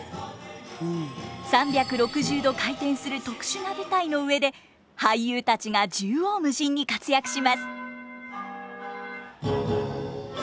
３６０度回転する特殊な舞台の上で俳優たちが縦横無尽に活躍します。